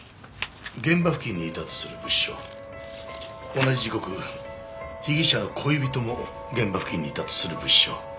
同じ時刻被疑者の恋人も現場付近にいたとする物証。